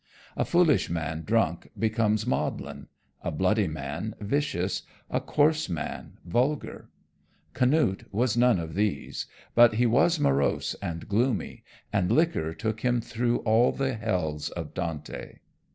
A foolish man drunk becomes maudlin; a bloody man, vicious; a coarse man, vulgar. Canute was none of these, but he was morose and gloomy, and liquor took him through all the hells of Dante.